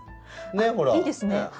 いいですね。